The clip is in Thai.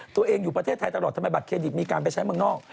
ตัวเองอยู่ประเทศไทยตลอดทำไมบัตรเครดิตมีการไปใช้เมืองนอก